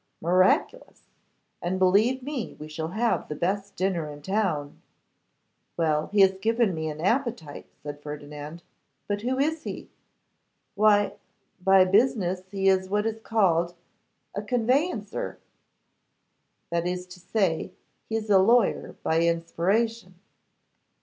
'Miraculous!' 'And, believe me, we shall have the best dinner in town.' 'Well, he has given me an appetite,' said Ferdinand. 'But who is he?' 'Why, by business he is what is called a conveyancer; that is to say, he is a lawyer by inspiration.